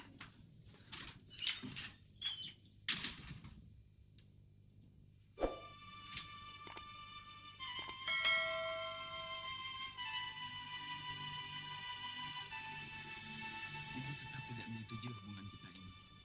ibu tetap tidak menyetujui hubungan kita ini